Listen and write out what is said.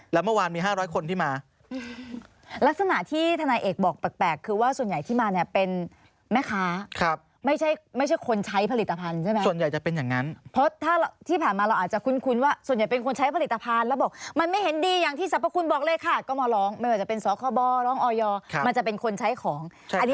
แล้วเมื่อวานมี๕๐๐คนที่มาลักษณะที่ธนายเอกบอกแปลกคือว่าส่วนใหญ่ที่มาเนี่ยเป็นแม่ค้าไม่ใช่คนใช้ผลิตภัณฑ์ใช่ไหมส่วนใหญ่จะเป็นอย่างนั้นเพราะถ้าที่ผ่านมาเราอาจจะคุ้นว่าส่วนใหญ่เป็นคนใช้ผลิตภัณฑ์แล้วบอกมันไม่เห็นดีอย่างที่สรรพคุณบอกเลยค่ะก็มาร้องไม่ว่าจะเป็นสคบร้องออยมันจะเป็นคนใช้ของอันนี้